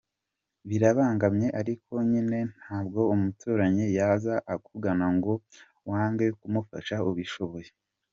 Birabangamye ariko nyine ntabwo umuturanyi yaza akugana ngo wange kumufasha ubishoboye”.